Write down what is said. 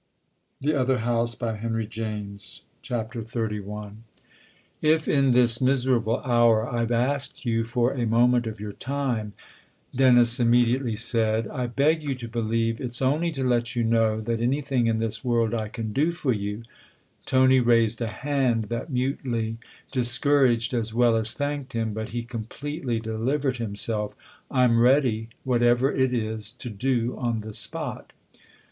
Suddenly he turned away Tony Bream had come in. XXXI " IF in this miserable hour I've asked you for a moment of your time," Dennis immediately said, " I beg you to believe it's only to let you know that anything in this world I can do for you " Tony raised a hand that mutely discouraged as well as thanked him, but he completely delivered himself: " I'm ready, whatever it is, to do on the spot."